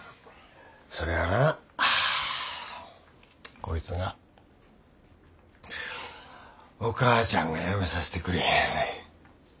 それはなこいつがお母ちゃんがやめさせてくれへんねん。